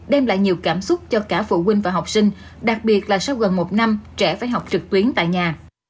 đem lại nhiều cảm xúc cho cả phụ huynh và học sinh đặc biệt là sau gần một năm trẻ phải học trực tuyến tại nhà